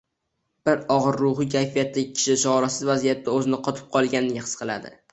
biroq og‘ir ruhiy kayfiyatdagi kishi chorasiz vaziyatda o‘zini qotib qolgandek his qiladi.